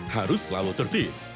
harus selalu tertib